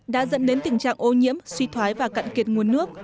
đã dẫn đến tình trạng ô nhiễm suy thoái và cạn kiệt nguồn nước